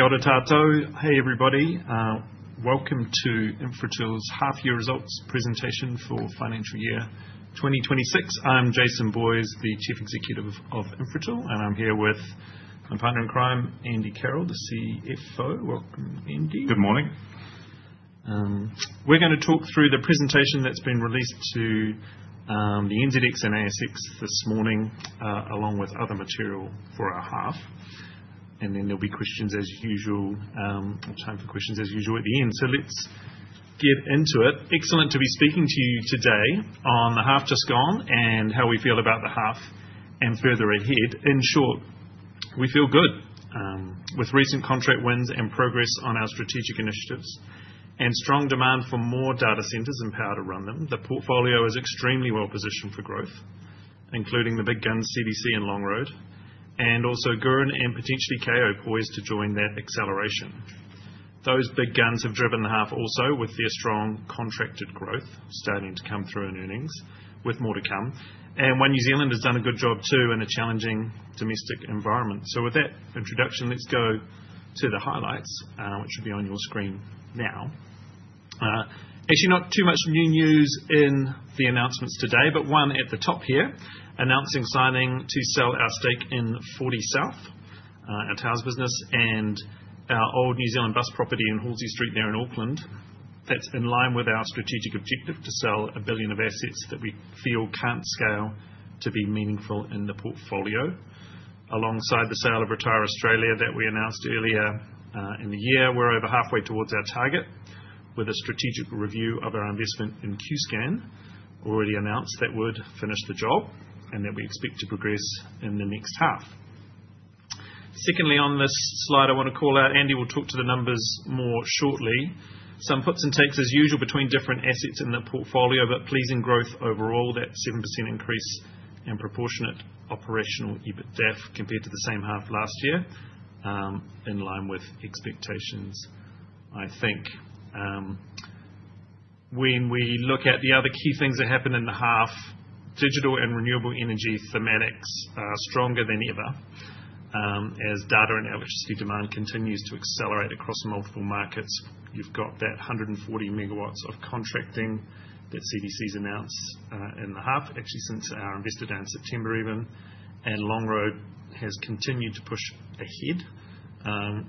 Kia ora, Tarto. Hey, everybody. Welcome to Infratil's half-year results presentation for financial year 2026. I'm Jason Boyes, the Chief Executive of Infratil, and I'm here with my partner in crime, Andy Carroll, the CFO. Welcome, Andy. Good morning. We're going to talk through the presentation that's been released to the NZX and ASX this morning, along with other material for our half. There'll be questions, as usual. We'll have time for questions, as usual, at the end. Let's get into it. Excellent to be speaking to you today on the half just gone and how we feel about the half and further ahead. In short, we feel good with recent contract wins and progress on our strategic initiatives and strong demand for more data centers and power to run them. The portfolio is extremely well positioned for growth, including the big guns, CDC and Longroad, and also Gurin and potentially KO poised to join that acceleration. Those big guns have driven the half also, with their strong contracted growth starting to come through in earnings, with more to come. New Zealand has done a good job too in a challenging domestic environment. With that introduction, let's go to the highlights, which should be on your screen now. Actually, not too much new news in the announcements today, but one at the top here: announcing signing to sell our stake in Fortysouth, our towers business, and our old New Zealand bus property in Halsey Street there in Auckland. That is in line with our strategic objective to sell a billion of assets that we feel cannot scale to be meaningful in the portfolio, alongside the sale of Retire Australia that we announced earlier in the year. We are over halfway towards our target with a strategic review of our investment in Qscan, already announced that would finish the job and that we expect to progress in the next half. Secondly, on this slide, I want to call out Andy will talk to the numbers more shortly. Some puts and takes, as usual, between different assets in the portfolio, but pleasing growth overall, that 7% increase in proportionate operational EBITDA compared to the same half last year, in line with expectations, I think. When we look at the other key things that happen in the half, digital and renewable energy thematics are stronger than ever as data and electricity demand continues to accelerate across multiple markets. You have got that 140 MW of contracting that CDC's announced in the half, actually since our investor day in September even, and Longroad has continued to push ahead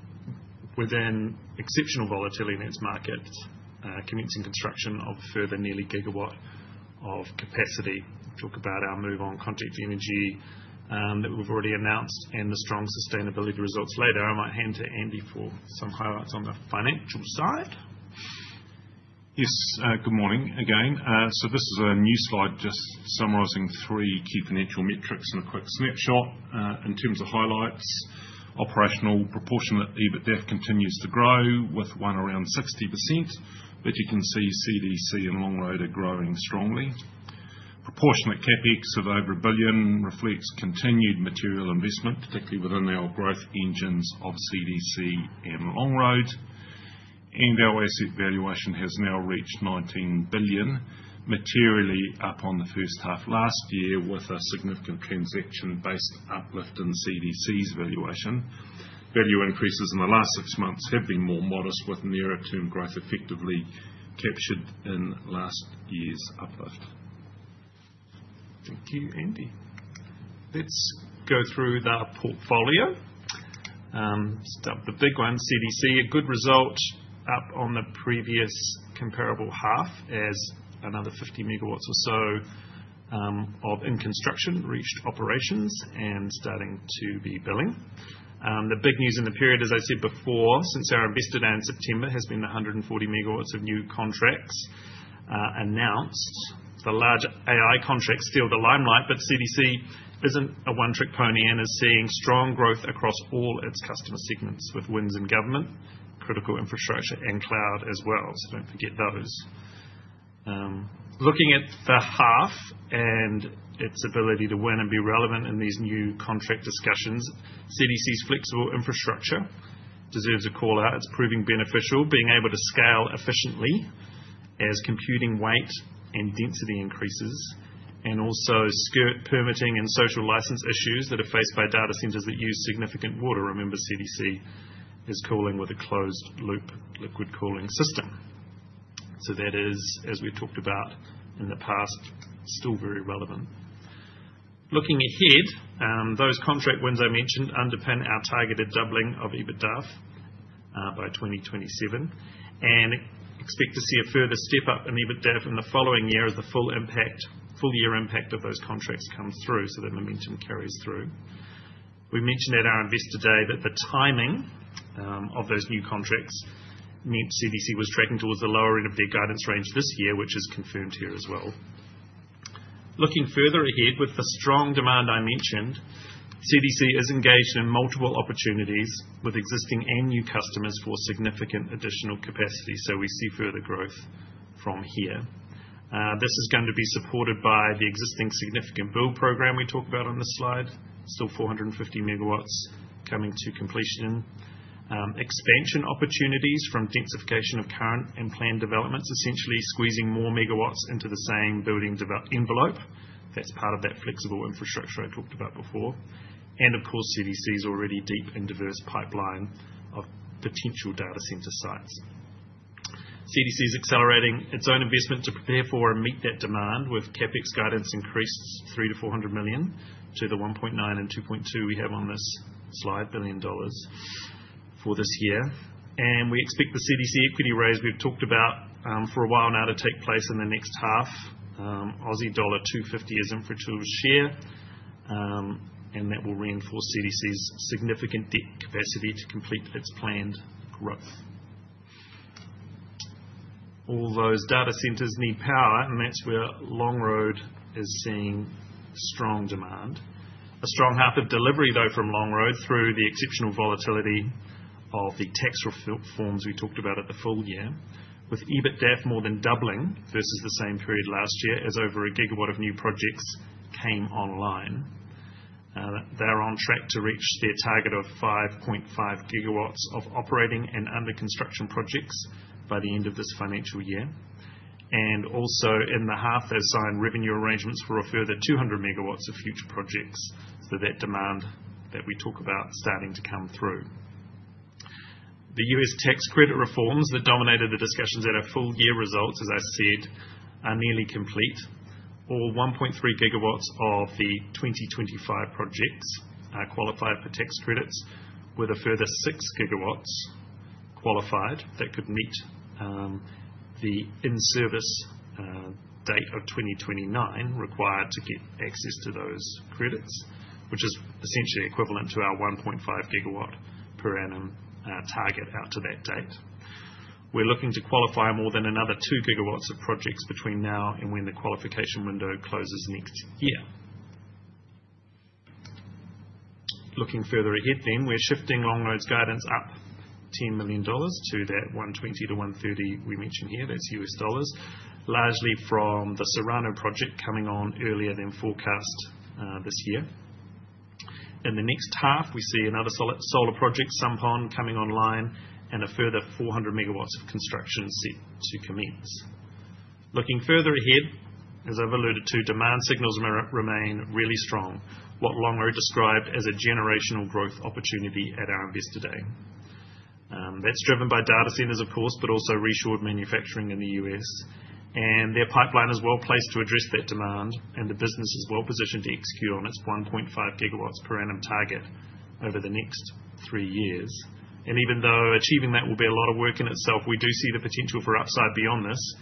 within exceptional volatility in its markets, commencing construction of further nearly a-gigawatt of capacity. Talk about our move on Contact Energy that we have already announced and the strong sustainability results later. I might hand to Andy for some highlights on the financial side. Yes, good morning again. This is a new slide just summarizing three key financial metrics in a quick snapshot. In terms of highlights, operational proportionate EBITDA continues to grow with one around 60%, but you can see CDC and Longroad are growing strongly. Proportionate CapEx of over 1 billion reflects continued material investment, particularly within our growth engines of CDC and Longroad. Our asset valuation has now reached 19 billion, materially up on the first half last year with a significant transaction-based uplift in CDC's valuation. Value increases in the last six months have been more modest, with nearer-term growth effectively captured in last year's uplift. Thank you, Andy. Let's go through the portfolio. Start with the big one, CDC. A good result up on the previous comparable half as another 50 MW or so in construction reached operations and starting to be billing. The big news in the period, as I said before, since our investor day ,it has been the 140 MG of new contracts announced. The large AI contract steal the limelight, but CDC isn't a one-trick pony and is seeing strong growth across all its customer segments with wins in government, critical infrastructure, and cloud as well. Do not forget those. Looking at the half and its ability to win and be relevant in these new contract discussions, CDC's flexible infrastructure deserves a call out. It's proving beneficial, being able to scale efficiently as computing weight and density increases, and also skirt permitting and social licence issues that are faced by data centres that use significant water. Remember, CDC is cooling with a closed-loop liquid cooling system. That is, as we've talked about in the past, still very relevant. Looking ahead, those contract wins I mentioned underpin our targeted doubling of EBITDA by 2027, and expect to see a further step up in EBITDA in the following year as the full year impact of those contracts comes through so that momentum carries through. We mentioned at our investor day that the timing of those new contracts meant CDC was tracking towards the lower end of their guidance range this year, which is confirmed here as well. Looking further ahead with the strong demand I mentioned, CDC is engaged in multiple opportunities with existing and new customers for significant additional capacity. We see further growth from here. This is going to be supported by the existing significant build program we talk about on this slide. Still 450 MG coming to completion. Expansion opportunities from densification of current and planned developments, essentially squeezing more megawatts into the same building envelope. That is part of that flexible infrastructure I talked about before. Of course, CDC's already deep and diverse pipeline of potential data centre sites. CDC is accelerating its own investment to prepare for and meet that demand with CapEx guidance increased 300 million-400 million to the 1.9 billion-2.2 billion we have on this slide, for this year. We expect the CDC equity raise we have talked about for a while now to take place in the next half. Aussie dollar 250 million is Infratil's share, and that will reinforce CDC's significant capacity to complete its planned growth. All those data centres need power, and that is where Longroad is seeing strong demand. A strong half of delivery, though, from Longroad through the exceptional volatility of the tax reforms we talked about at the full year, with EBITDA more than doubling versus the same period last year as over a-gigawatt of new projects came online. They are on track to reach their target of 5.5 GW of operating and under construction projects by the end of this financial year. Also in the half, they have signed revenue arrangements for a further 200 MW of future projects. That demand that we talk about is starting to come through. The U.S. tax credit reforms that dominated the discussions at our full year results, as I said, are nearly complete. All 1.3 GW of the 2025 projects are qualified for tax credits, with a further 6 GW qualified that could meet the in-service date of 2029 required to get access to those credits, which is essentially equivalent to our 1.5 GW per annum target out to that date. We're looking to qualify more than another 2 GW of projects between now and when the qualification window closes next year. Looking further ahead then, we're shifting Longroad's guidance up $10 million to that $120 million-$130 million we mentioned here. That's U.S. dollars, largely from the Serrano project coming on earlier than forecast this year. In the next half, we see another solar project, SunPond, coming online and a further 400 MG of construction set to commence. Looking further ahead, as I've alluded to, demand signals remain really strong, what Longroad described as a generational growth opportunity at our investor day. That's driven by data centres, of course, but also reshored manufacturing in the U.S. And their pipeline is well placed to address that demand, and the business is well positioned to execute on its 1.5 GW per annum target over the next three years. Even though achieving that will be a lot of work in itself, we do see the potential for upside beyond this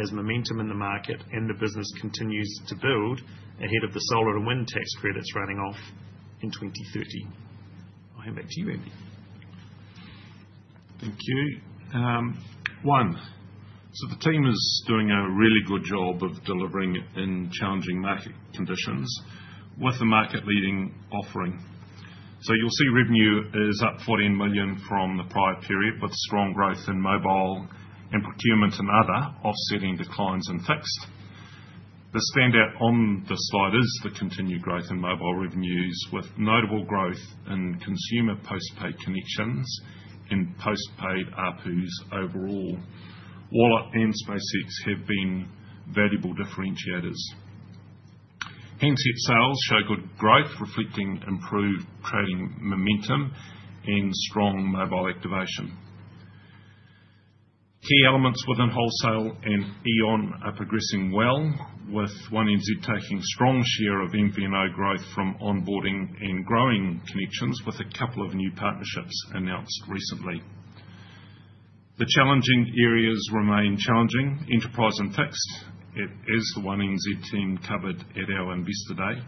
as momentum in the market and the business continues to build ahead of the solar and wind tax credits running off in 2030. I'll hand back to you, Andy. Thank you. One, the team is doing a really good job of delivering in challenging market conditions with a market-leading offering. You'll see revenue is up 14 million from the prior period with strong growth in mobile and procurement and other offsetting declines in fixed. The standout on the slide is the continued growth in mobile revenues with notable growth in consumer postpaid connections and postpaid ARPUs overall. Wallet and SpaceX have been valuable differentiators. Handset sales show good growth, reflecting improved trading momentum and strong mobile activation. Key elements within wholesale and EON are progressing well, with One NZ taking a strong share of MVNO growth from onboarding and growing connections with a couple of new partnerships announced recently. The challenging areas remain challenging. Enterprise and fixed is the One NZ team covered at our investor day.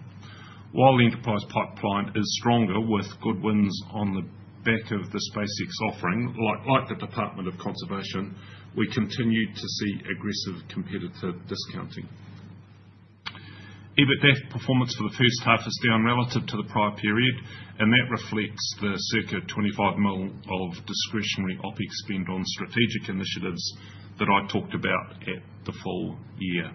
While the enterprise pipeline is stronger with good wins on the back of the SpaceX offering, like the Department of Conservation, we continue to see aggressive competitor discounting. EBITDA performance for the first-half is down relative to the prior period, and that reflects the circa 25 million of discretionary OpEx spend on strategic initiatives that I talked about at the full year.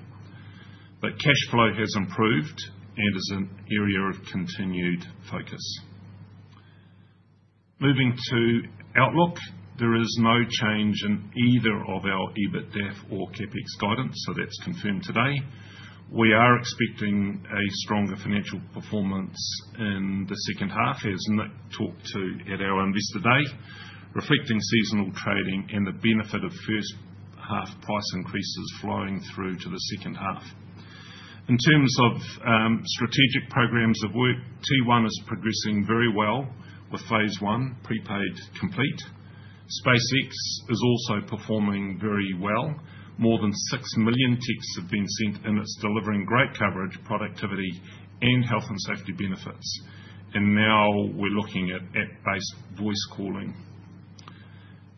Cash flow has improved and is an area of continued focus. Moving to outlook, there is no change in either of our EBITDA or CapEx guidance, so that is confirmed today. We are expecting a stronger financial performance in the second half, as Nick talked to at our investor day, reflecting seasonal trading and the benefit of first half price increases flowing through to the second half. In terms of strategic programs of work, T1 is progressing very well with phase one, prepaid complete. SpaceX is also performing very well. More than 6 million texts have been sent, and it is delivering great coverage, productivity, and health and safety benefits. We are now looking at app-based voice calling.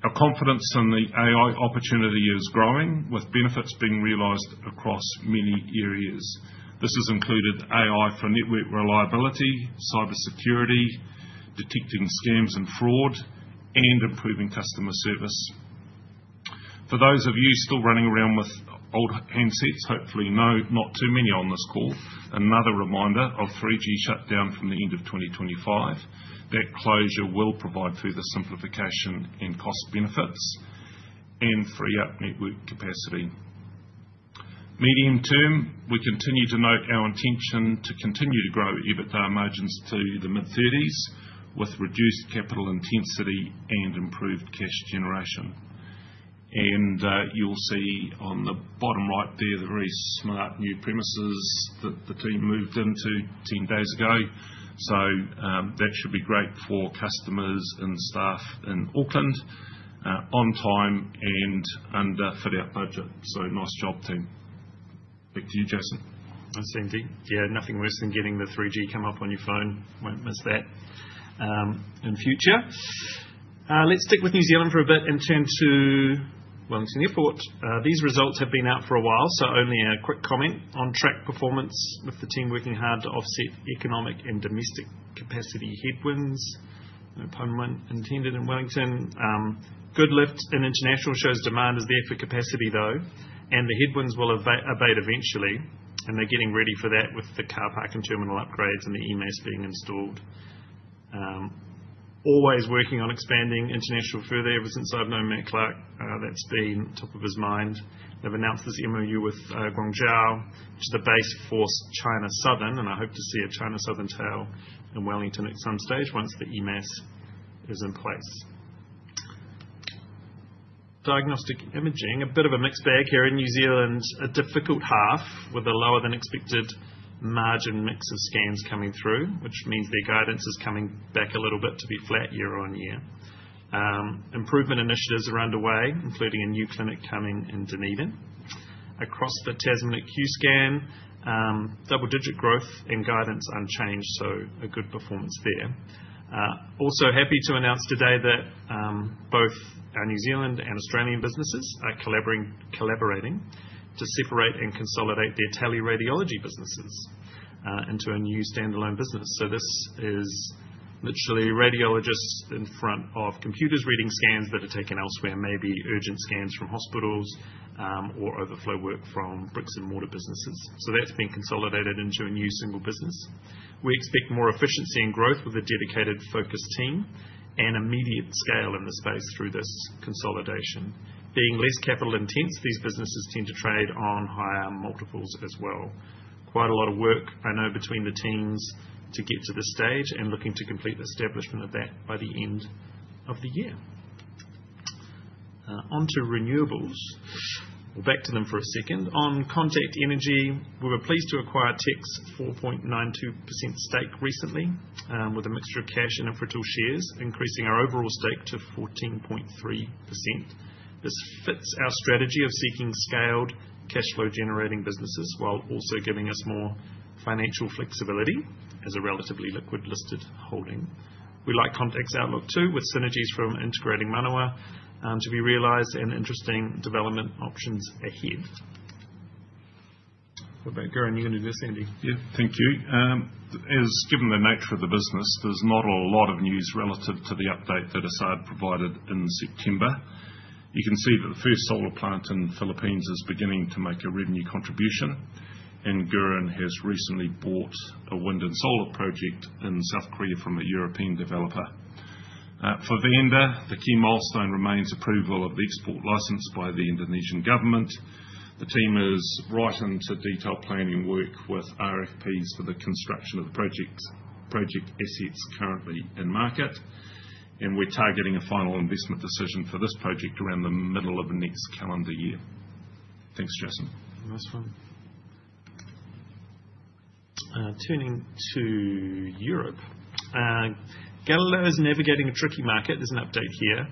Our confidence in the AI opportunity is growing, with benefits being realized across many areas. This has included AI for network reliability, cybersecurity, detecting scams and fraud, and improving customer service. For those of you still running around with old handsets, hopefully not too many on this call, another reminder of 3G shutdown from the end of 2025. That closure will provide further simplification and cost benefits and free up network capacity. Medium term, we continue to note our intention to continue to grow EBITDA margins to the mid-30% with reduced capital intensity and improved cash generation. You will see on the bottom right there the very smart new premises that the team moved into 10 days ago. That should be great for customers and staff in Auckland on time and under fit-out budget. Nice job, team. Back to you, Jason. Thanks, Andy. Yeah, nothing worse than getting the 3G come up on your phone. Won't miss that in future. Let's stick with New Zealand for a bit and turn to Wellington Airport. These results have been out for a while, so only a quick comment on track performance with the team working hard to offset economic and domestic capacity headwinds. No pun intended in Wellington. Good lift in international shows demand is there for capacity, though, and the headwinds will abate eventually, and they're getting ready for that with the car park and terminal upgrades and the EMAS being installed. Always working on expanding international further. Ever since I've known Matt Clark, that's been top of his mind. They've announced this MOU with Guangzhou, which is the base for China Southern, and I hope to see a China Southern tail in Wellington at some stage once the EMAS is in place. Diagnostic imaging, a bit of a mixed bag here in New Zealand. A difficult half with a lower-than-expected margin mix of scans coming through, which means their guidance is coming back a little bit to be flat year on year. Improvement initiatives are underway, including a new clinic coming in Dunedin. Across the Tasman at Qscan, double-digit growth and guidance unchanged, so a good performance there. Also happy to announce today that both our New Zealand and Australian businesses are collaborating to separate and consolidate their tele-radiology businesses into a new standalone business. This is literally radiologists in front of computers reading scans that are taken elsewhere, maybe urgent scans from hospitals or overflow work from bricks-and-mortar businesses. That has been consolidated into a new single business. We expect more efficiency and growth with a dedicated focus team and immediate scale in the space through this consolidation. Being less capital intense, these businesses tend to trade on higher multiples as well. Quite a lot of work, I know, between the teams to get to this stage and looking to complete the establishment of that by the end of the year. Onto renewables. Back to them for a second. On Contact Energy, we were pleased to acquire a 4.92% stake recently with a mixture of cash and Infratil shares, increasing our overall stake to 14.3%. This fits our strategy of seeking scaled cash flow generating businesses while also giving us more financial flexibility as a relatively liquid listed holding. We like Contact's outlook too, with synergies from integrating Manawa to be realised and interesting development options ahead. Robert, go ahead. You can do this, Andy. Yeah, thank you. As given the nature of the business, there's not a lot of news relative to the update that ASX provided in September. You can see that the first solar plant in the Philippines is beginning to make a revenue contribution, and Gurin has recently bought a wind and solar project in South Korea from a European developer. For Gurin, the key milestone remains approval of the export license by the Indonesian government. The team is right into detailed planning work with RFPs for the construction of the project assets currently in market, and we're targeting a final investment decision for this project around the middle of the next calendar year. Thanks, Jason. Nice one. Turning to Europe. Gurin is navigating a tricky market. There is an update here.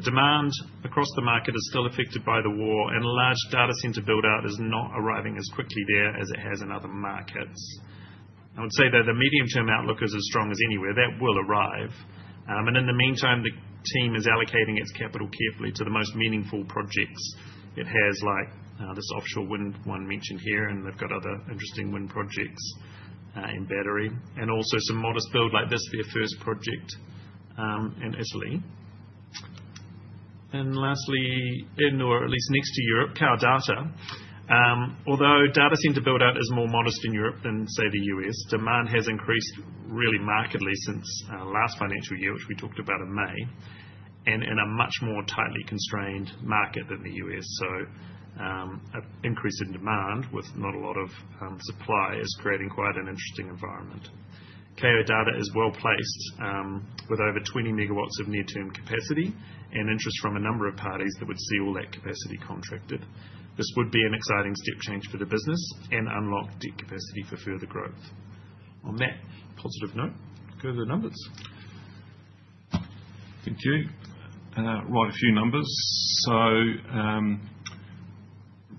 Demand across the market is still affected by the war, and a large data centre buildout is not arriving as quickly there as it has in other markets. I would say that the medium-term outlook is as strong as anywhere. That will arrive. In the meantime, the team is allocating its capital carefully to the most meaningful projects it has, like this offshore wind one mentioned here, and they have got other interesting wind projects and battery, and also some modest build like this, their first project in Italy. Lastly, in or at least next to Europe, KO Data. Although data centre buildout is more modest in Europe than, say, the U.S., demand has increased really markedly since last financial year, which we talked about in May, and in a much more tightly constrained market than the U.S. An increase in demand with not a lot of supply is creating quite an interesting environment. KO Data is well placed with over 20 MW of near-term capacity and interest from a number of parties that would see all that capacity contracted. This would be an exciting step change for the business and unlock deep capacity for further growth. On that positive note, go to the numbers. Thank you. Right, a few numbers.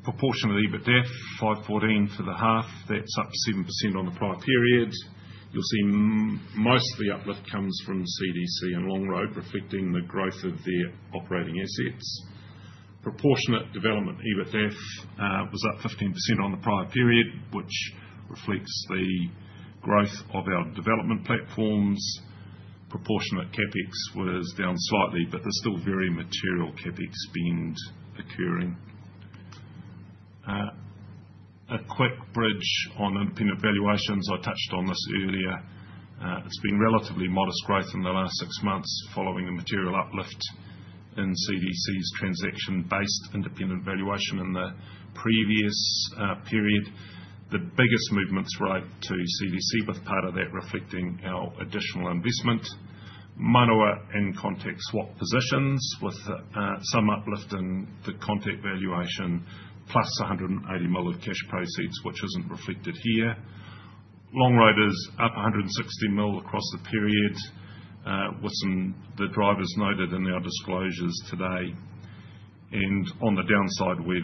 Proportional EBITDA, 514 million for the half, that's up 7% on the prior period. You'll see most of the uplift comes from CDC and Longroad, reflecting the growth of their operating assets. Proportionate development EBITDA was up 15% on the prior period, which reflects the growth of our development platforms. Proportionate CapEx was down slightly, but there's still very material CapEx being occurring. A quick bridge on independent valuations. I touched on this earlier. It's been relatively modest growth in the last six months following a material uplift in CDCs transaction-based independent valuation in the previous period. The biggest movements relate to CDCs, with part of that reflecting our additional investment. Manawa Energy and Contact Energy swap positions with some uplift in the Contact valuation, 180+ million of cash proceeds, which isn't reflected here. Longroad is up 160 million across the period, with some of the drivers noted in our disclosures today. On the downside, we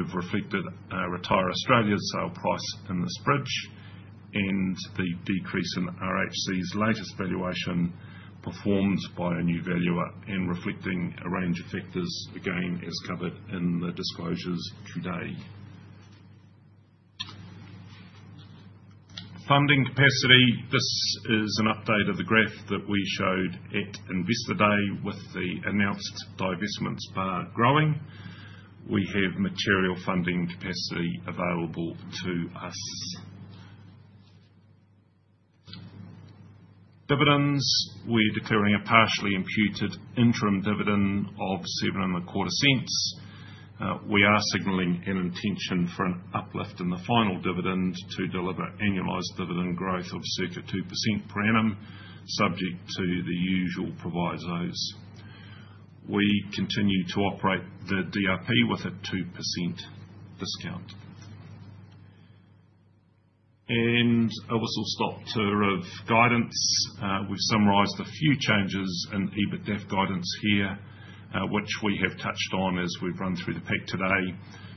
have reflected our Retire Australia sale price in this bridge and the decrease in RHC's latest valuation performed by a new valuer and reflecting a range of factors again as covered in the disclosures today. Funding capacity. This is an update of the graph that we showed at investor day with the announced divestments bar growing. We have material funding capacity available to us. Dividends. We are declaring a partially imputed interim dividend of 0.0725. We are signalling an intention for an uplift in the final dividend to deliver annualized dividend growth of circa 2% per-annum, subject to the usual provisos. We continue to operate the DRP with a 2% discount. A whistle stop tour of guidance. We've summarised a few changes in EBITDA guidance here, which we have touched on as we've run through the pack today.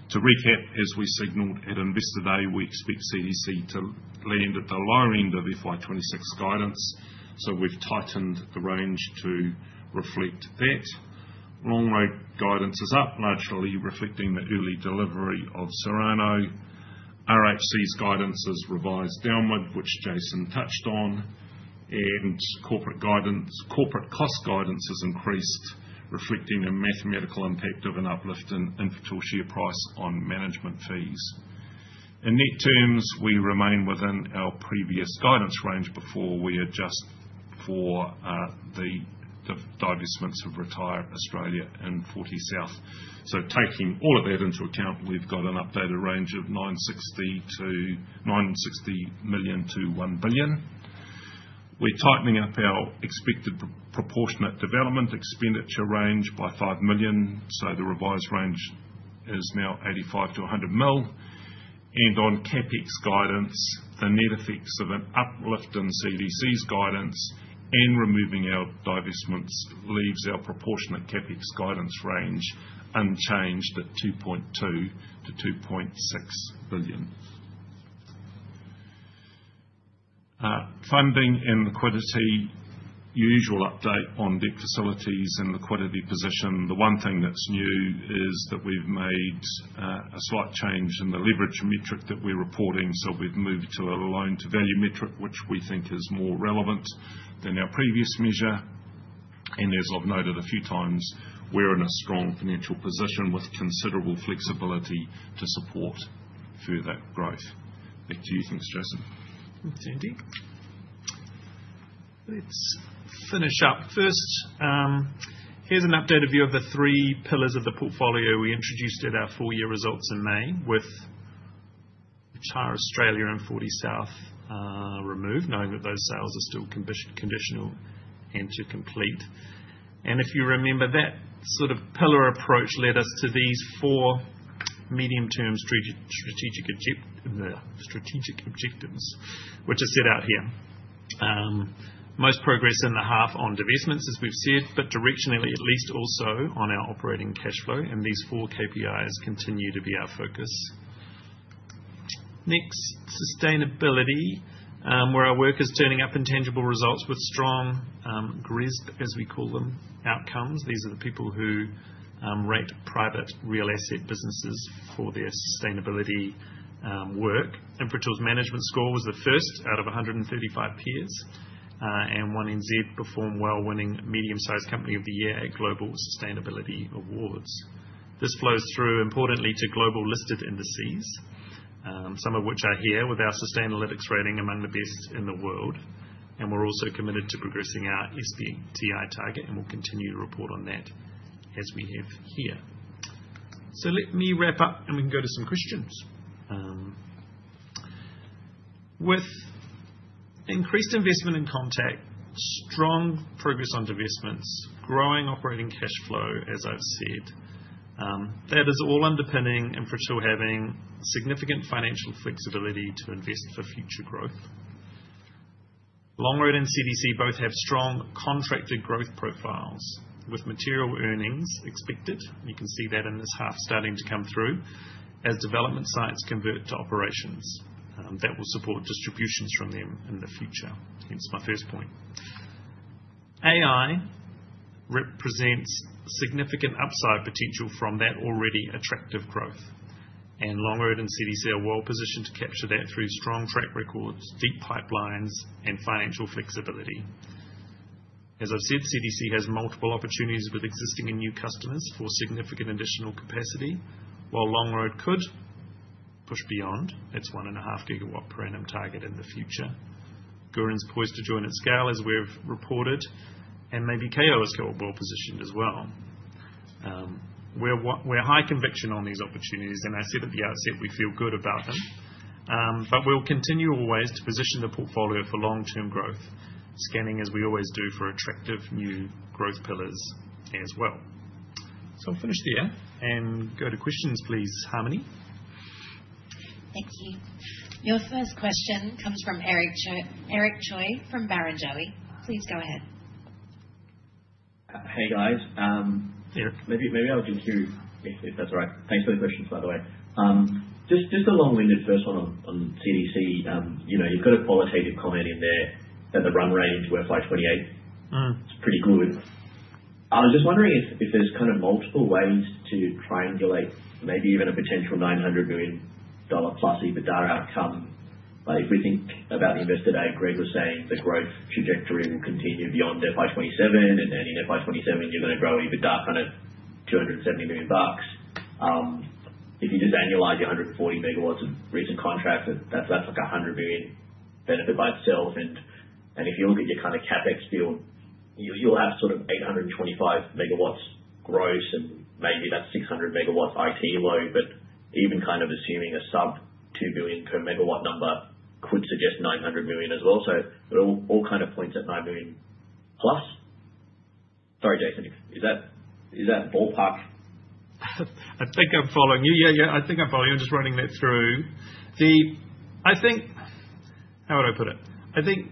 To recap, as we signaled at investor day, we expect CDC to land at the lower end of FY 2026 guidance, so we've tightened the range to reflect that. Longroad guidance is up, largely reflecting the early delivery of Serrano. RHC's guidance is revised downward, which Jason touched on, and corporate cost guidance has increased, reflecting a mathematical impact of an uplift in Infratil share price on management fees. In net terms, we remain within our previous guidance range before we adjust for the divestments of Retire Australia and 40 South. Taking all of that into account, we've got an updated range of 960 million-1 billion. We're tightening up our expected proportionate development expenditure range by 5 million, so the revised range is now 85 million-100 million. On CapEx guidance, the net effects of an uplift in CDC's guidance and removing our divestments leaves our proportionate CapEx guidance range unchanged at NZD 2.2 billion-NZD 2.6 billion. Funding and liquidity. Usual update on debt facilities and liquidity position. The one thing that's new is that we've made a slight change in the leverage metric that we're reporting, so we've moved to a loan-to-value metric, which we think is more relevant than our previous measure. As I've noted a few times, we're in a strong financial position with considerable flexibility to support further growth. Back to you, thanks, Jason. Thanks, Andy. Let's finish up. First, here's an updated view of the three pillars of the portfolio we introduced at our full-year results in May, with RetireAustralia and Fortysouth removed, knowing that those sales are still conditional and to complete. If you remember, that sort of pillar approach led us to these four medium-term strategic objectives, which are set out here. Most progress in the half on divestments, as we've said, but directionally at least also on our operating cash flow, and these four KPIs continue to be our focus. Next, sustainability, where our work is turning up intangible results with strong GRESB, as we call them, outcomes. These are the people who rate private real estate businesses for their sustainability work. Infratil's management score was the first out of 135 peers, and One NZ performed well, winning Medium-Sized Company of the Year at Global Sustainability Awards. This flows through, importantly, to global listed indices, some of which are here with our Sustainalytics rating among the best in the world. We are also committed to progressing our SBTI target, and we will continue to report on that as we have here. Let me wrap up, and we can go to some questions. With increased investment in Contact, strong progress on divestments, growing operating cash flow, as I have said, that is all underpinning Infratil having significant financial flexibility to invest for future growth. Longroad and CDC both have strong contracted growth profiles with material earnings expected. You can see that in this half starting to come through as development sites convert to operations. That will support distributions from them in the future. Hence my first point. AI represents significant upside potential from that already attractive growth, and Longroad and CDC are well positioned to capture that through strong track records, deep pipelines, and financial flexibility. As I've said, CDC has multiple opportunities with existing and new customers for significant additional capacity, while Longroad could push beyond its 1.5 GW per annum target in the future. Gurin's poised to join at scale, as we've reported, and maybe KO is well positioned as well. We are high conviction on these opportunities, and I said at the outset, we feel good about them. We will continue always to position the portfolio for long-term growth, scanning as we always do for attractive new growth pillars as well. I will finish there and go to questions, please, Harmony. Thank you. Your first question comes from Eric Choi from Barrenjoey. Please go ahead. Hey, guys. Maybe I'll jump to you if that's all right. Thanks for the questions, by the way. Just a long-winded first one on CDC. You've got a qualitative comment in there that the run rate into FY 2028 is pretty good. I was just wondering if there's kind of multiple ways to triangulate maybe even a potential 900+ million dollar EBITDA outcome. If we think about the investor day, Greg was saying the growth trajectory will continue beyond FY 2027, and then in FY 2027, you're going to grow EBITDA kind of 270 million bucks. If you just annualize your 140 MW of recent contracts, that's like a 100 million benefit-by-itself. And if you look at your kind of CapEx field, you'll have sort of 825 MW gross, and maybe that's 600 MW IT load. Even kind of assuming a sub 2 billion per MW number could suggest 900 million as well. It all kind of points at 9+ billion. Sorry, Jason, is that ballpark? I think I'm following you. Yeah, I think I'm following you. I'm just running that through. I think, how would I put it? I think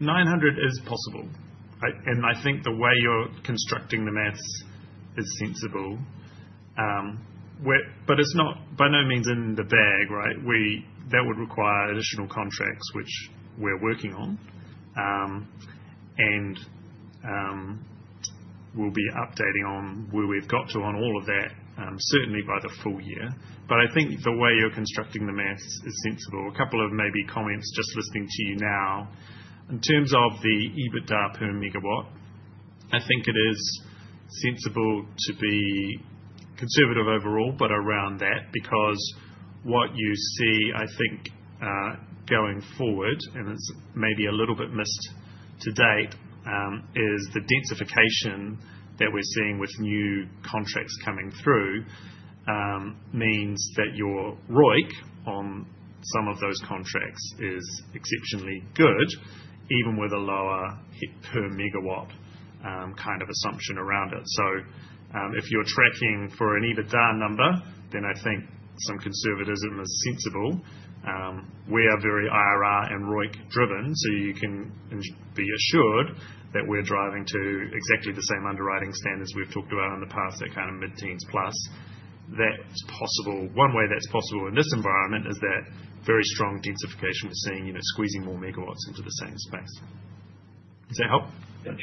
900 is possible, and I think the way you're constructing the maths is sensible. It is not by no means in the bag, right? That would require additional contracts, which we're working on, and we'll be updating on where we've got to on all of that, certainly by the full year. I think the way you're constructing the maths is sensible. A couple of maybe comments just listening to you now. In terms of the EBITDA per megawatt, I think it is sensible to be conservative overall, but around that, because what you see, I think, going forward, and it's maybe a little bit missed to date, is the densification that we're seeing with new contracts coming through means that your ROIC on some of those contracts is exceptionally good, even with a lower per megawatt kind of assumption around it. If you're tracking for an EBITDA number, then I think some conservatism is sensible. We are very IRR and ROIC driven, so you can be assured that we're driving to exactly the same underwriting standards we've talked about in the past, that kind of mid-teens plus. One way that's possible in this environment is that very strong densification we're seeing, squeezing more megawatts into the same space. Does that help? Thanks.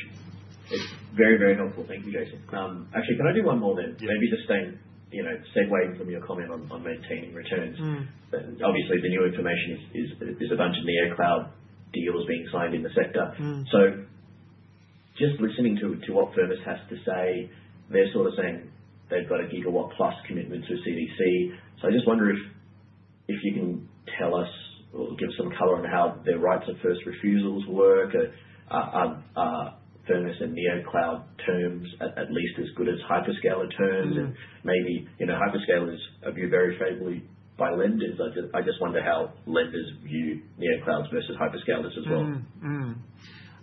It's very, very helpful. Thank you, Jason. Actually, can I do one more then? Maybe just segueing from your comment on maintaining returns. Obviously, the new information is a bunch of near-cloud deals being signed in the sector. Just listening to what Firmus has to say, they're sort of saying they've got a gigawatt plus commitment to CDC. I just wonder if you can tell us or give some color on how their rights of first refusals work, Firmus and near-cloud terms, at least as good as hyperscaler terms. Maybe hyperscalers are viewed very favorably by lenders. I just wonder how lenders view near-clouds versus hyperscalers as well.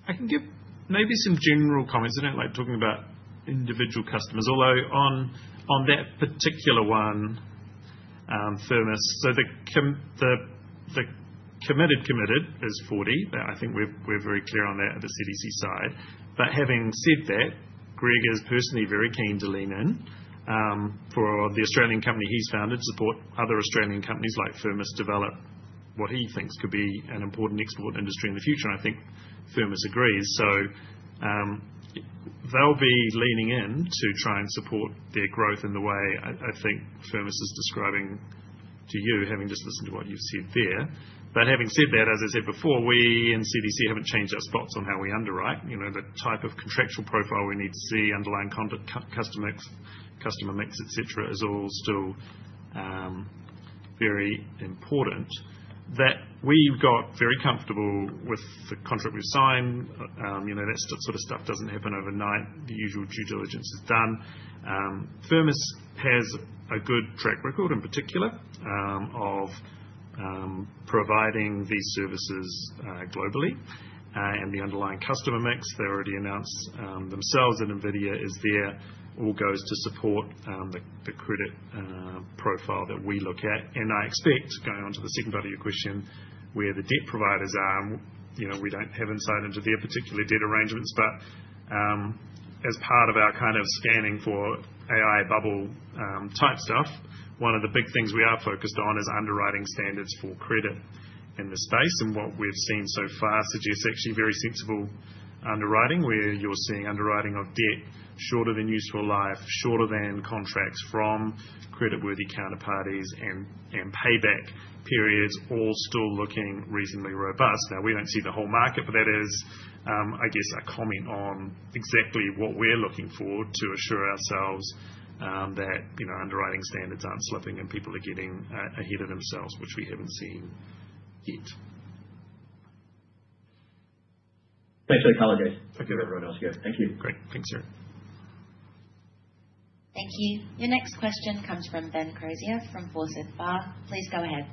I can give maybe some general comments, and I don't like talking about individual customers. Although on that particular one, Firmus, the committed committed is 40. I think we're very clear on that at the CDC side. Having said that, Greg is personally very keen to lean in for the Australian company he's founded to support other Australian companies like Firmus develop what he thinks could be an important export industry in the future. I think Firmus agrees. They'll be leaning in to try and support their growth in the way I think Firmus is describing to you, having just listened to what you've said there. Having said that, as I said before, we in CDC haven't changed our spots on how we underwrite. The type of contractual profile we need to see, underlying customer mix, etc., is all still very important. That we've got very comfortable with the contract we've signed. That sort of stuff does not happen overnight. The usual due diligence is done. Firmus has a good track record in particular of providing these services globally and the underlying customer mix. They already announced themselves that NVIDIA is there. All goes to support the credit profile that we look at. I expect, going on to the second part of your question, where the debt providers are. We do not have insight into their particular debt arrangements, but as part of our kind of scanning for AI bubble type stuff, one of the big things we are focused on is underwriting standards for credit in the space. What we've seen so far suggests actually very sensible underwriting, where you're seeing underwriting of debt shorter than useful life, shorter than contracts from creditworthy counterparties, and payback periods all still looking reasonably robust. We do not see the whole market, but that is, I guess, a comment on exactly what we're looking for to assure ourselves that underwriting standards aren't slipping and people are getting ahead of themselves, which we haven't seen yet. Thanks for the apologies. I'll give everyone else a go. Thank you. Great. Thanks, sir. Thank you. Your next question comes from Ben Crozier from Forsyth Barr. Please go ahead.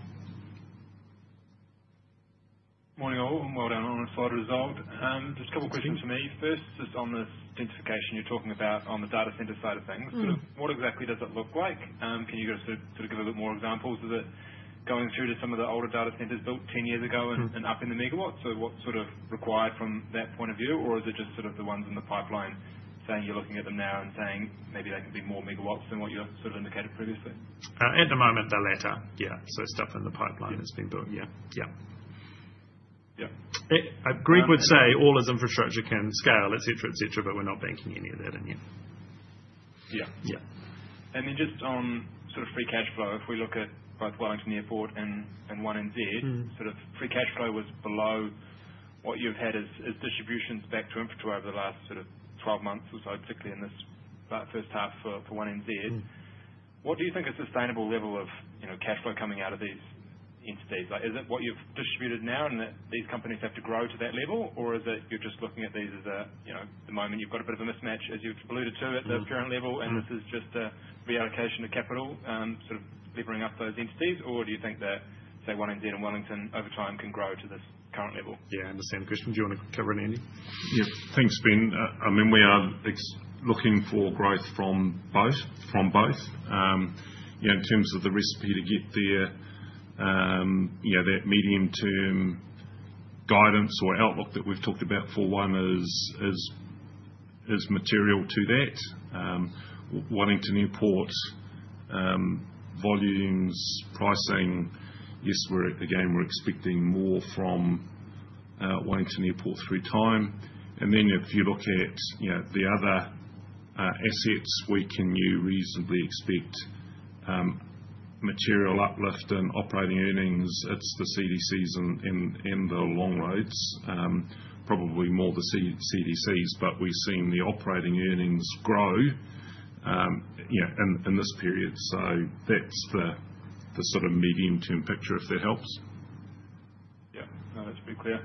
Morning, all, and well done on the final result. Just a couple of questions for me. First, just on the densification you're talking about on the data center side of things, sort of what exactly does that look like? Can you sort of give a bit more examples? Is it going through to some of the older data centers built 10 years ago and up in the megawatts? What is sort of required from that point of view? Is it just sort of the ones in the pipeline saying you're looking at them now and saying maybe they can be more megawatts than what you sort of indicated previously? At the moment, the latter. Yeah. Stuff in the pipeline that's been built. Yeah. Yeah. Yeah. Greg would say all his infrastructure can scale, etc., etc., but we're not banking any of that in yet. Yeah. And then just on sort of free cash flow, if we look at both Wellington Airport and One NZ, sort of free cash flow was below what you've had as distributions back to infrastructure over the last sort of 12 months or so, particularly in this first half for One NZ. What do you think is a sustainable level of cash flow coming out of these entities? Is it what you've distributed now and that these companies have to grow to that level? Or is it you're just looking at these as the moment you've got a bit of a mismatch, as you've alluded to, at the current level, and this is just a reallocation of capital sort of levering up those entities? Or do you think that, say, One NZ and Wellington over time can grow to this current level? Yeah, I understand the question. Do you want to cover it, Andy? Yep. Thanks, Ben. I mean, we are looking for growth from both. In terms of the recipe to get there, that medium-term guidance or outlook that we have talked about for one is material to that. Wellington Airport, volumes, pricing, yes, again, we are expecting more from Wellington Airport through time. If you look at the other assets, we can reasonably expect material uplift in operating earnings. It is the CDCs and the Longroad, probably more the CDCs, but we have seen the operating earnings grow in this period. That is the sort of medium-term picture, if that helps. Yeah. No, that should be clear.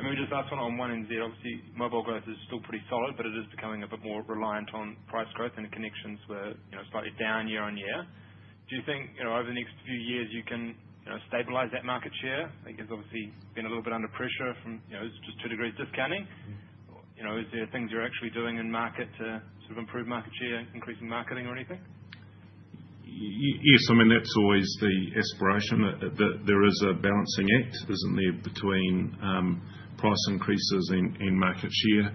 Maybe just last one on One NZ. Obviously, mobile growth is still pretty solid, but it is becoming a bit more reliant on price growth and connections were slightly down year on year. Do you think over the next few years you can stabilize that market share? It is obviously been a little bit under pressure from just 2degrees discounting. Is there things you are actually doing in market to sort of improve market share, increasing marketing or anything? Yes. I mean, that's always the aspiration. There is a balancing act, isn't there, between price increases and market share.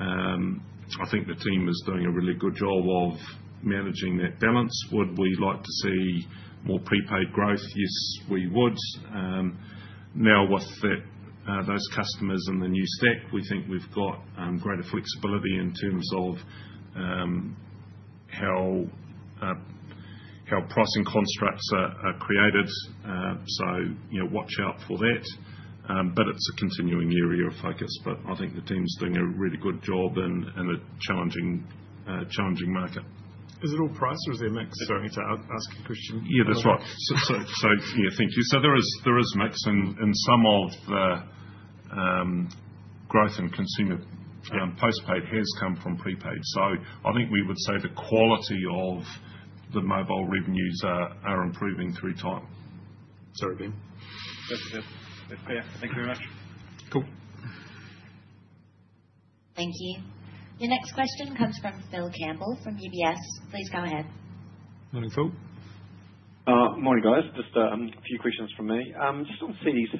I think the team is doing a really good job of managing that balance. Would we like to see more prepaid growth? Yes, we would. Now, with those customers and the new stack, we think we've got greater flexibility in terms of how pricing constructs are created. Watch out for that. It is a continuing area of focus. I think the team's doing a really good job in a challenging market. Is it all price or is there a mix? Sorry to ask a question. Yeah, that's right. Yeah, thank you. There is mix in some of the growth in consumer postpaid has come from prepaid. I think we would say the quality of the mobile revenues are improving through time. Sorry, Ben. That's it. That's clear. Thank you very much. Cool. Thank you. Your next question comes from Phil Campbell from UBS. Please go ahead. Morning, Phil. Morning, guys. Just a few questions from me. Just on CDC,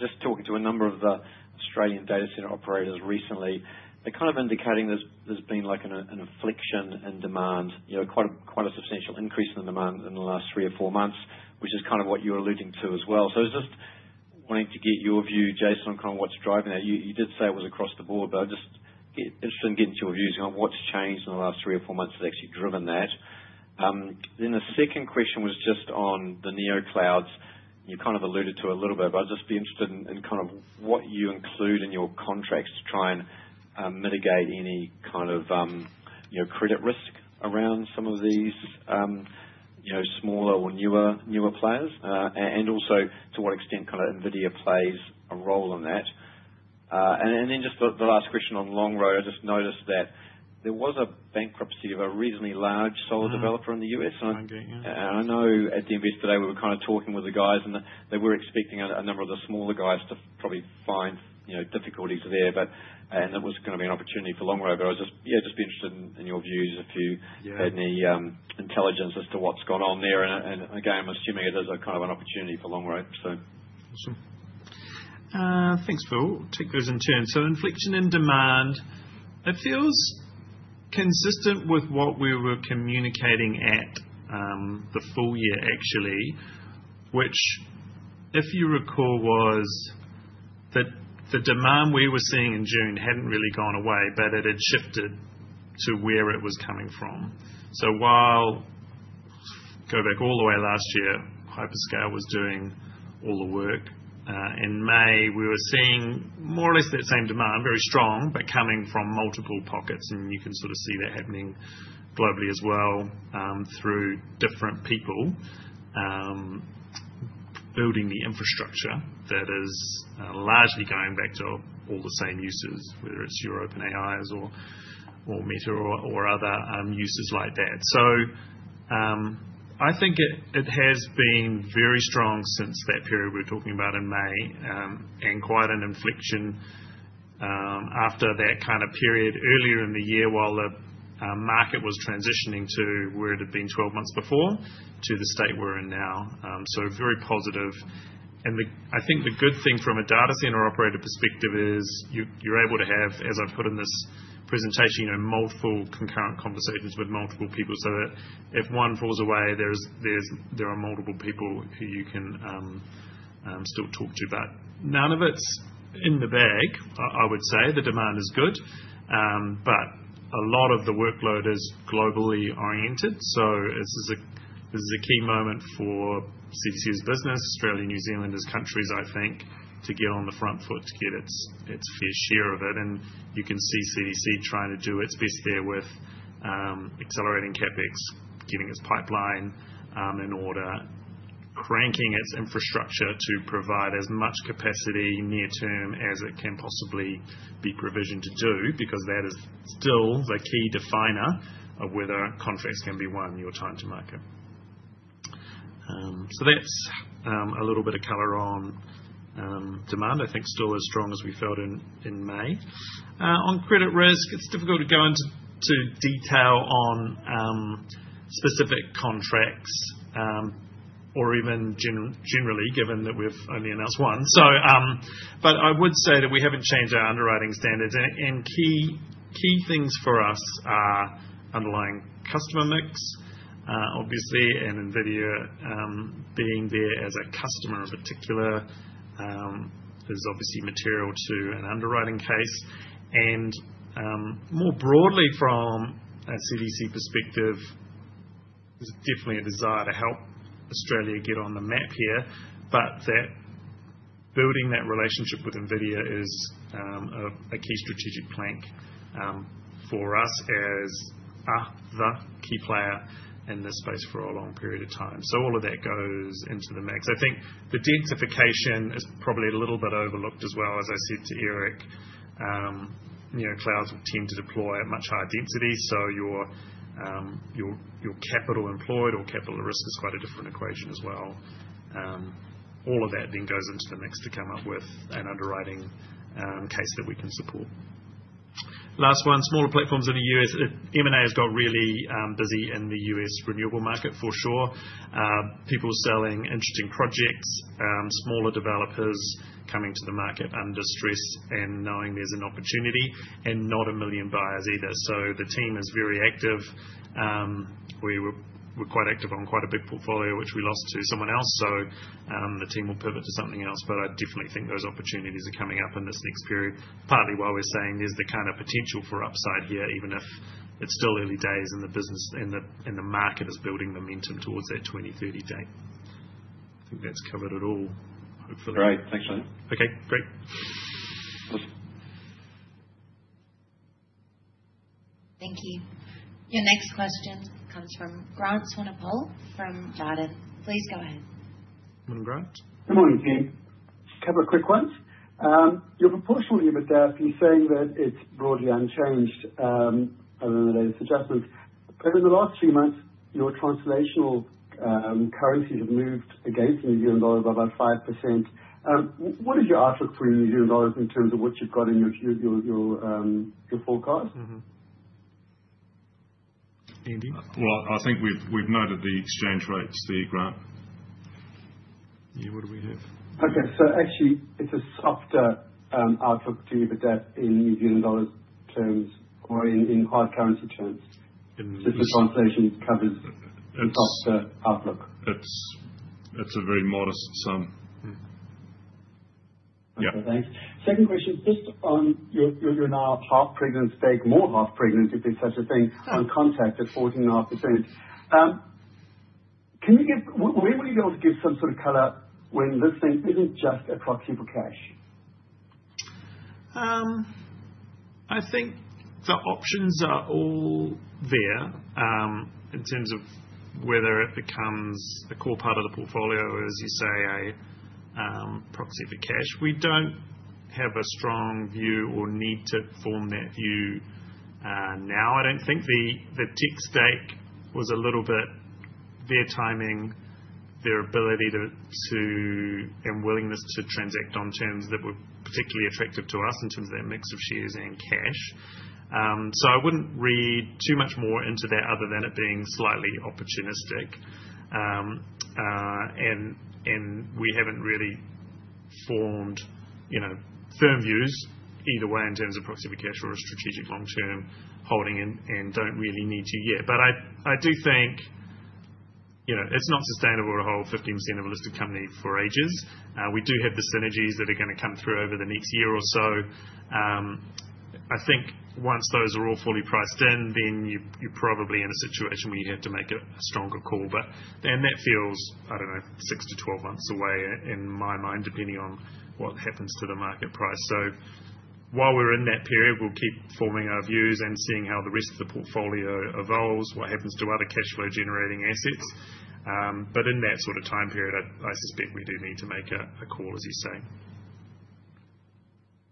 just talking to a number of the Australian data center operators recently, they're kind of indicating there's been an inflection in demand, quite a substantial increase in the demand in the last three or four months, which is kind of what you were alluding to as well. I was just wanting to get your view, Jason, on kind of what's driving that. You did say it was across the board, but I'm just interested in getting your views on what's changed in the last three or four months that's actually driven that. The second question was just on the near-clouds. You kind of alluded to it a little bit, but I'd just be interested in kind of what you include in your contracts to try and mitigate any kind of credit risk around some of these smaller or newer players and also to what extent kind of NVIDIA plays a role in that. Just the last question on Longroad, I just noticed that there was a bankruptcy of a reasonably large solar developer in the U.S. I know at the event today we were kind of talking with the guys, and they were expecting a number of the smaller guys to probably find difficulties there, and it was going to be an opportunity for Longroad. I was just, yeah, just be interested in your views if you had any intelligence as to what's gone on there? I'm assuming it is kind of an opportunity for Longroad, so. Awesome. Thanks, Phil. Take those in turn. So inflection in demand, it feels consistent with what we were communicating at the full year, actually, which, if you recall, was that the demand we were seeing in June had not really gone away, but it had shifted to where it was coming from. While go back all the way last year, hyperscale was doing all the work. In May, we were seeing more or less that same demand, very strong, but coming from multiple pockets. You can sort of see that happening globally as well through different people building the infrastructure that is largely going back to all the same users, whether it is your OpenAIs or Meta or other users like that. I think it has been very strong since that period we were talking about in May and quite an inflection after that kind of period earlier in the year while the market was transitioning to where it had been 12 months before to the state we're in now. Very positive. I think the good thing from a data center operator perspective is you're able to have, as I've put in this presentation, multiple concurrent conversations with multiple people so that if one falls away, there are multiple people who you can still talk to. None of it's in the bag, I would say. The demand is good, but a lot of the workload is globally oriented. This is a key moment for CDC business, Australia, New Zealand, as countries, I think, to get on the front foot to get its fair share of it. You can see CDC trying to do its best there with accelerating CapEx, getting its pipeline in order, cranking its infrastructure to provide as much capacity near-term as it can possibly be provisioned to do because that is still the key definer of whether contracts can be won in your time to market. That is a little bit of color on demand. I think still as strong as we felt in May. On credit risk, it is difficult to go into detail on specific contracts or even generally, given that we have only announced one. I would say that we have not changed our underwriting standards. Key things for us are underlying customer mix, obviously, and NVIDIA being there as a customer in particular is obviously material to an underwriting case. More broadly, from a CDC perspective, there's definitely a desire to help Australia get on the map here, but building that relationship with NVIDIA is a key strategic plank for us as the key player in this space for a long period of time. All of that goes into the mix. I think the densification is probably a little bit overlooked as well. As I said to Eric, clouds tend to deploy at much higher density. Your capital employed or capital risk is quite a different equation as well. All of that then goes into the mix to come up with an underwriting case that we can support. Last one, smaller platforms in the U.S. M&A has got really busy in the U.S. renewable market, for sure. People selling interesting projects, smaller developers coming to the market under stress and knowing there's an opportunity and not a million buyers either. The team is very active. We were quite active on quite a big portfolio, which we lost to someone else. The team will pivot to something else. I definitely think those opportunities are coming up in this next period, partly while we're saying there's the kind of potential for upside here, even if it's still early days and the market is building momentum towards that 2030 date. I think that's covered it all, hopefully. Great. Thanks, Jason. Okay. Great. Thank you. Your next question comes from Grant Swanepoel from Jarden. Please go ahead. Morning, Grant. Good morning, Tim. Cover a quick one. Your proportional limit there is saying that it's broadly unchanged other than the latest adjustments. In the last few months, your translational currencies have moved against the New Zealand dollar by about 5%. What is your outlook for New Zealand dollars in terms of what you've got in your forecast? Andy? I think we've noted the exchange rates, the grant. Yeah, what do we have? Okay. So actually, it's a softer outlook to you for debt in New Zealand dollars terms or in hard currency terms. Just the translation covers a softer outlook. That's a very modest sum. Yeah. Thanks. Second question, just on your now half-pregnant stake, more half-pregnant, if there's such a thing, uncontracted 14.5%. When will you be able to give some sort of color when this thing isn't just a proxy for cash? I think the options are all there in terms of whether it becomes a core part of the portfolio or, as you say, a proxy for cash. We do not have a strong view or need to form that view now. I do not think the tech stake was a little bit their timing, their ability to, and willingness to transact on terms that were particularly attractive to us in terms of their mix of shares and cash. I would not read too much more into that other than it being slightly opportunistic. We have not really formed firm views either way in terms of proxy for cash or a strategic long-term holding and do not really need to yet. I do think it is not sustainable to hold 15% of a listed company for ages. We do have the synergies that are going to come through over the next year or so. I think once those are all fully priced in, then you're probably in a situation where you have to make a stronger call. That feels, I don't know, 6 months-12 months away in my mind, depending on what happens to the market price. While we're in that period, we'll keep forming our views and seeing how the rest of the portfolio evolves, what happens to other cash flow-generating assets. In that sort of time period, I suspect we do need to make a call, as you say.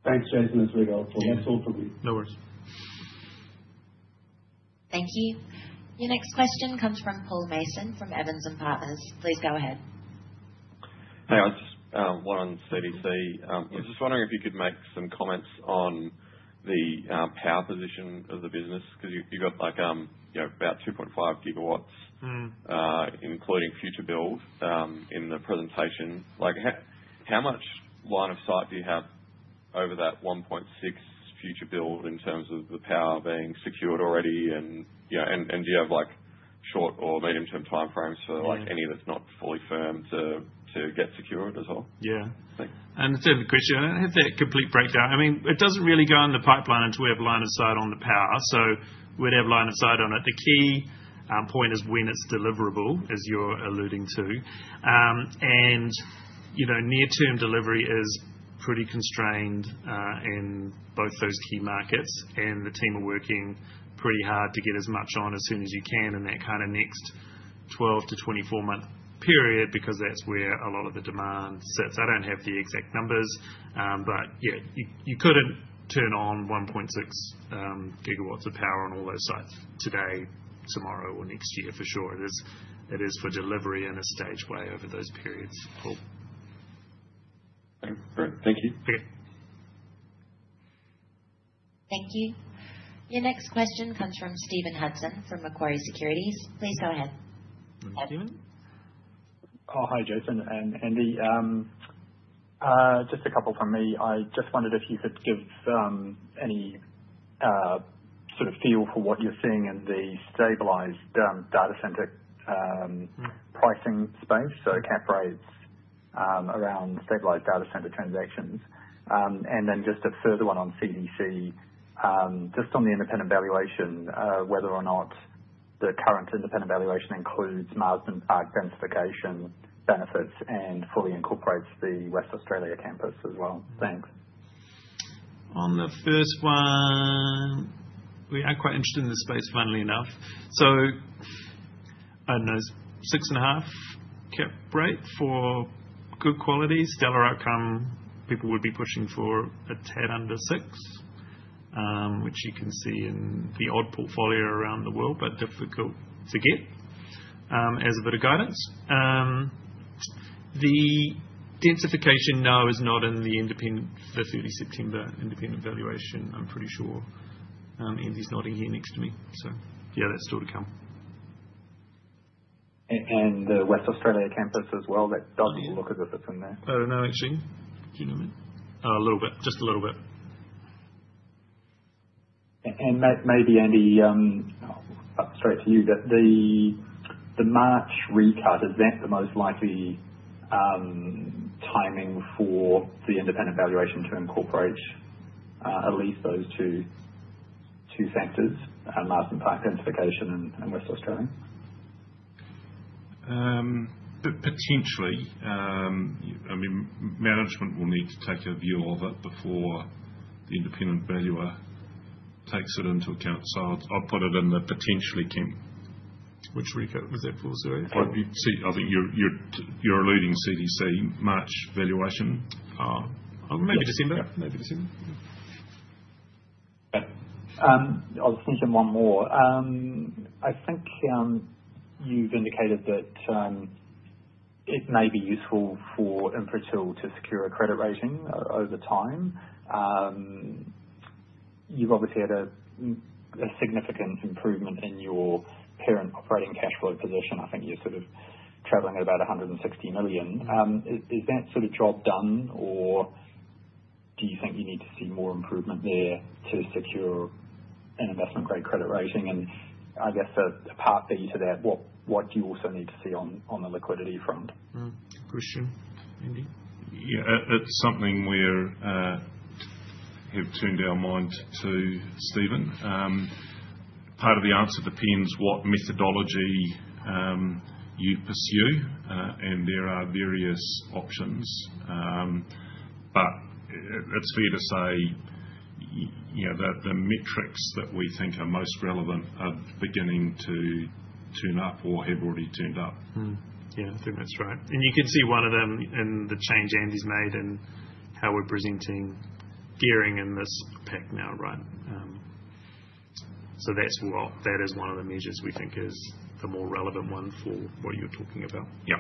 Thanks, Jason. That's really helpful. That's all from me. No worries. Thank you. Your next question comes from Paul Mason from Evans & Partners. Please go ahead. Hey, I just want on CDC. I was just wondering if you could make some comments on the power position of the business because you've got about 2.5 GW, including future build, in the presentation. How much line of sight do you have over that 1.6 future build in terms of the power being secured already? Do you have short or medium-term time frames for any that's not fully firm to get secured as well? Yeah. The third question, I don't have that complete breakdown. I mean, it doesn't really go on the pipeline until we have line of sight on the power. We'd have line of sight on it. The key point is when it's deliverable, as you're alluding to. Near-term delivery is pretty constrained in both those key markets. The team are working pretty hard to get as much on as soon as you can in that kind of next 12 month-24 month period because that's where a lot of the demand sits. I don't have the exact numbers, but yeah, you couldn't turn on 1.6 GW of power on all those sites today, tomorrow, or next year for sure. It is for delivery in a staged way over those periods. Thank you. Thank you. Your next question comes from Stephen Hudson from Macquarie Securities. Please go ahead. Hi, Stephen. Oh, hi, Jason and Andy. Just a couple from me. I just wondered if you could give any sort of feel for what you're seeing in the stabilized data center pricing space, so cap rates around stabilized data center transactions. I just have a further one on CDC, just on the independent valuation, whether or not the current independent valuation includes Marsden Park densification benefits and fully incorporates the West Australia campus as well. Thanks. On the first one, we are quite interested in the space, funnily enough. So I do not know, 6.5% cap rate for good quality, stellar outcome. People would be pushing for a TED under 6%, which you can see in the odd portfolio around the world, but difficult to get as a bit of guidance. The densification now is not in the independent for 30 September independent valuation. I am pretty sure Andy is nodding here next to me. So yeah, that is still to come. The West Australia campus as well, that does not look as if it is in there. I don't know, actually. Do you know what I mean? A little bit. Just a little bit. Maybe, Andy, up straight to you, that the March recut, is that the most likely timing for the independent valuation to incorporate at least those two factors, Marsden Park densification and West Australia? Potentially. I mean, management will need to take a view of it before the independent valuer takes it into account. So I'll put it in the potentially camp, which recut. Was that for? Sorry. I think you're alluding CDC March valuation. Maybe December. Maybe December. I'll just mention one more. I think you've indicated that it may be useful for Infratil to secure a credit rating over time. You've obviously had a significant improvement in your parent operating cash flow position. I think you're sort of traveling at about 160 million. Is that sort of job done, or do you think you need to see more improvement there to secure an investment-grade credit rating? I guess a part B to that, what do you also need to see on the liquidity front? Question, Andy? Yeah. It is something we have turned our mind to, Stephen. Part of the answer depends on what methodology you pursue, and there are various options. It is fair to say that the metrics that we think are most relevant are beginning to turn up or have already turned up. Yeah. I think that's right. You can see one of them in the change Andy's made and how we're presenting gearing in this pack now, right? That is one of the measures we think is the more relevant one for what you're talking about. Yep.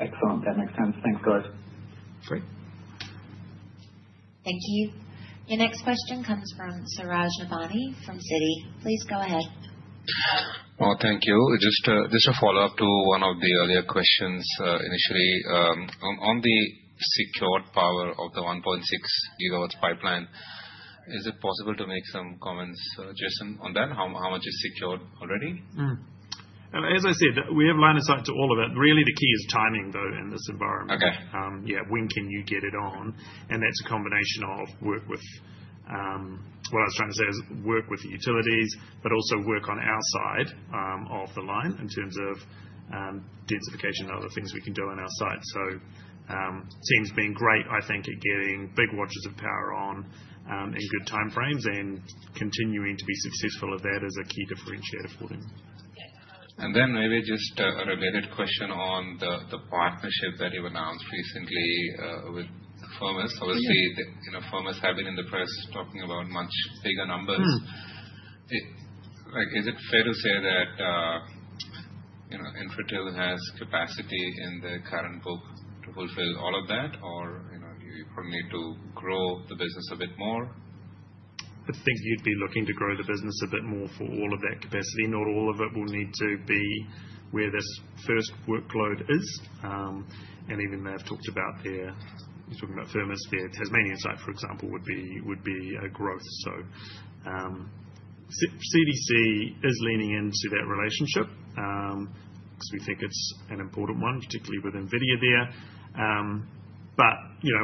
Excellent. That makes sense. Thanks, guys. Great. Thank you. Your next question comes from Suraj Nebhani from Citi. Please go ahead. Oh, thank you. Just a follow-up to one of the earlier questions initially. On the secured power of the 1.6 GW pipeline, is it possible to make some comments, Jason, on that? How much is secured already? As I said, we have line of sight to all of it. Really, the key is timing, though, in this environment. Yeah, when can you get it on? That is a combination of work with what I was trying to say is work with the utilities, but also work on our side of the line in terms of densification and other things we can do on our side. So teams being great, I think, at getting big watches of power on in good time frames and continuing to be successful at that is a key differentiator for them. Maybe just a related question on the partnership that you've announced recently with Firmus. Obviously, Firmus have been in the press talking about much bigger numbers. Is it fair to say that Infratil has capacity in the current book to fulfill all of that, or you probably need to grow the business a bit more? I think you'd be looking to grow the business a bit more for all of that capacity. Not all of it will need to be where this first workload is. Even they've talked about their—you are talking about Firmus, their Tasmanian site, for example, would be a growth. CDC is leaning into that relationship because we think it's an important one, particularly with NVIDIA there.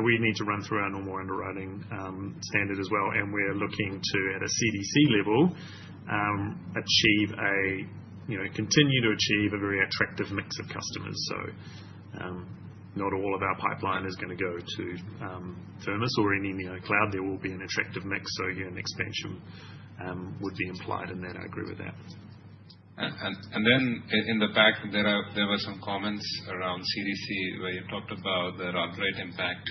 We need to run through our normal underwriting standard as well. We are looking to, at a CDC level, continue to achieve a very attractive mix of customers. Not all of our pipeline is going to go to Firmus or any cloud. There will be an attractive mix. Yeah, an expansion would be implied in that. I agree with that. In the back, there were some comments around CDC where you talked about the run rate impact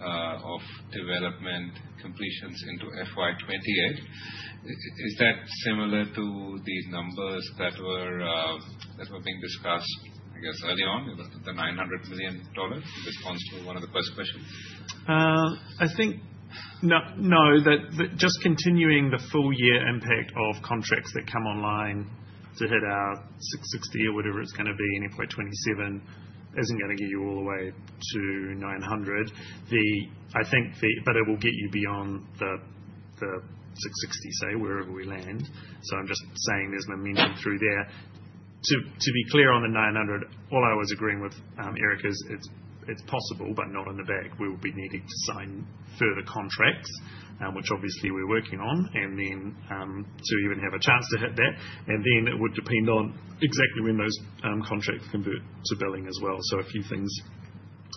of development completions into FY 2028. Is that similar to the numbers that were being, I guess, early on, the 900 million dollars? That's one of the first questions. I think no, that just continuing the full year impact of contracts that come online to hit our 660 or whatever it is going to be in FY 2027 is not going to get you all the way to 900. I think that it will get you beyond the 660, say, wherever we land. I am just saying there is momentum through there. To be clear on the 900, all I was agreeing with Eric is it is possible, but not in the bag. We will be needing to sign further contracts, which obviously we are working on, to even have a chance to hit that. It would depend on exactly when those contracts convert to billing as well. A few things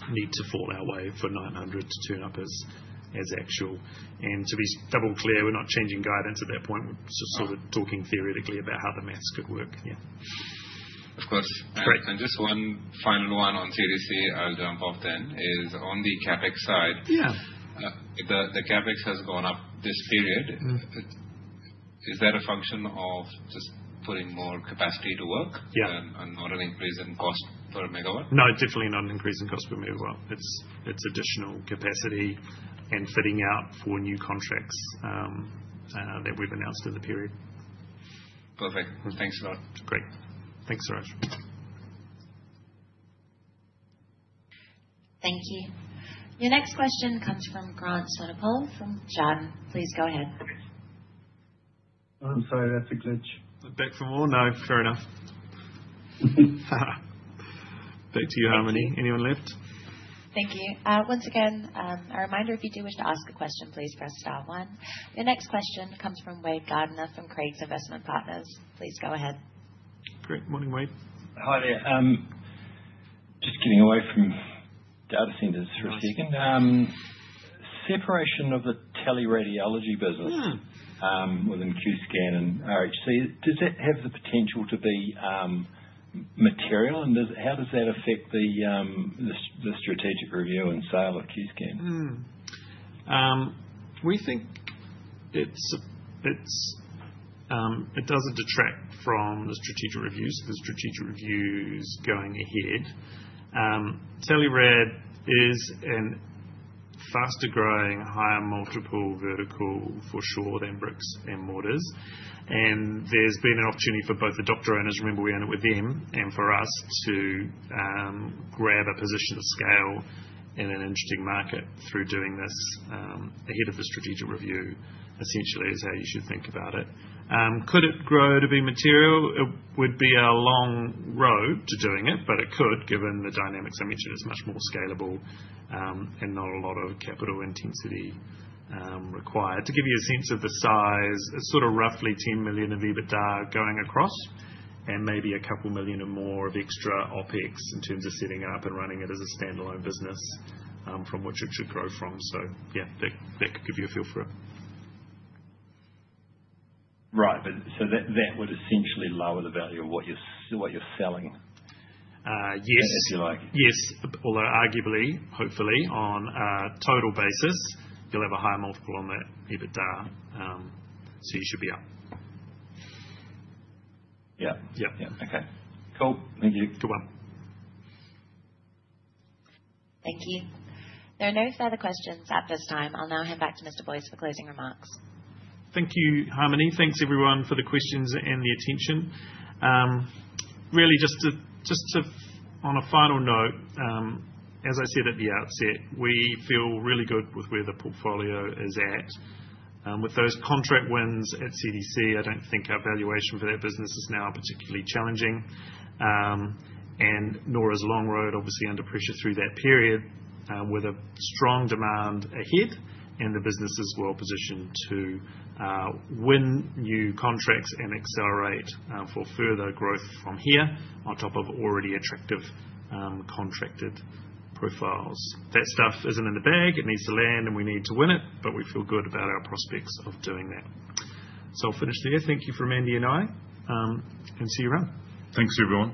need to fall our way for 900 to turn up as actual. To be double clear, we are not changing guidance at that point. We're just sort of talking theoretically about how the maths could work. Yeah. Of course. Just one final one on CDC, I'll jump off then. Is on the CapEx side. The CapEx has gone up this period. Is that a function of just putting more capacity to work and not an increase in cost per megawatt? No, definitely not an increase in cost per megawatt. It's additional capacity and fitting out for new contracts that we've announced in the period. Perfect. Thanks a lot. Great. Thanks, Suraj. Thank you. Your next question comes from Grant Sotopoul from JAN. Please go ahead. I'm sorry. That's a glitch. Back from war? No, fair enough. Back to you, Harmony. Anyone left? Thank you. Once again, a reminder, if you do wish to ask a question, please press star one. Your next question comes from Kaye Gardner from Craigs Investment Partners. Please go ahead. Great. Morning, Kaye. Hi there. Just getting away from data centers for a second. Separation of the tele-radiology business within Qscan and RHC, does it have the potential to be material? How does that affect the strategic review and sale of Qscan? We think it doesn't detract from the strategic reviews because strategic reviews going ahead. Tele-radiology is a faster growing, higher multiple vertical for sure than bricks and mortar. There's been an opportunity for both the doctor owners—remember, we own it with them—and for us to grab a position of scale in an interesting market through doing this ahead of the strategic review, essentially, is how you should think about it. Could it grow to be material? It would be a long road to doing it, but it could, given the dynamics I mentioned. It's much more scalable and not a lot of capital intensity required. To give you a sense of the size, it's sort of roughly 10 million of EBITDA going across and maybe a couple million or more of extra Opex in terms of setting it up and running it as a standalone business from which it should grow from. Yeah, that could give you a feel for it. Right. So that would essentially lower the value of what you're selling, if you like. Yes. Although arguably, hopefully, on a total basis, you'll have a higher multiple on that EBITDA. So you should be up. Yeah. Yeah. Okay. Cool. Thank you. Good one. Thank you. There are no further questions at this time. I'll now hand back to Mr. Boyes for closing remarks. Thank you, Harmony. Thanks, everyone, for the questions and the attention. Really, just on a final note, as I said at the outset, we feel really good with where the portfolio is at. With those contract wins at CDC, I do not think our valuation for that business is now particularly challenging, and nor is Longroad, obviously, under pressure through that period with a strong demand ahead. The business is well positioned to win new contracts and accelerate for further growth from here on top of already attractive contracted profiles. That stuff is not in the bag. It needs to land, and we need to win it, but we feel good about our prospects of doing that. I will finish there. Thank you from Andy and I. See you around. Thanks, everyone.